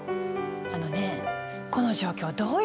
あのねこの状況どうよ？